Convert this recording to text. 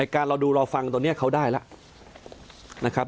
การรอดูรอฟังตัวนี้เขาได้แล้ว